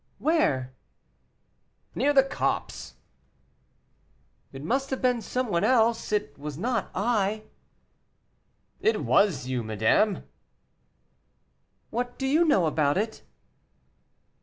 "Where?" "Near the copse." "It must have been some one else, it was not I." "It was you, madame." "What do you know about it?"